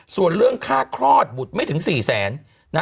ส่วนเรื่องค่าคลอดบุตรไม่ถึง๔แสน